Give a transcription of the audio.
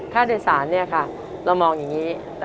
ค่าโดยสารเนี่ยค่ะเรามองอย่างนี้